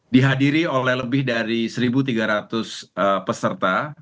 dihadiri oleh lebih dari satu tiga ratus peserta